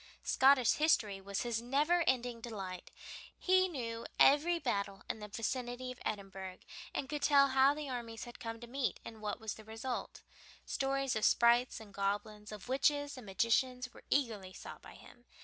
Scottish history was his never ending delight; he knew every battle field in the vicinity of Edinburgh, and could tell how the armies had come to meet and what was the result. Stories of sprites and goblins, of witches and magicians, were eagerly sought by him.